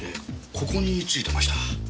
ここについてました。